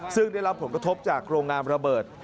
ซึ่งได้รับผลกระทบจากโรงงานระเบิด